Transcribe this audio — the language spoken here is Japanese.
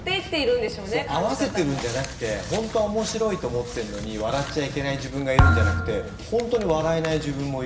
そう合わせてるんじゃなくて本当は面白いと思ってんのに笑っちゃいけない自分がいるんじゃなくてありますね。